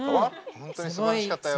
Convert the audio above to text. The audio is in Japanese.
本当にすばらしかったよ。